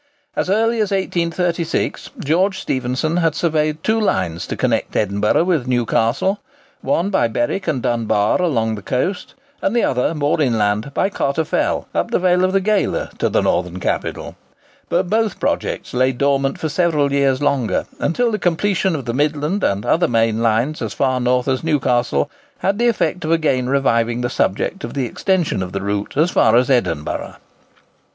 As early as 1836, George Stephenson had surveyed two lines to connect Edinburgh with Newcastle: one by Berwick and Dunbar along the coast, and the other, more inland, by Carter Fell, up the vale of the Gala, to the northern capital; but both projects lay dormant for several years longer, until the completion of the Midland and other main lines as far north as Newcastle, had the effect of again reviving the subject of the extension of the route as far as Edinburgh.